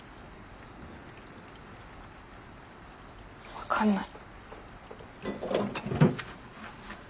分かんない。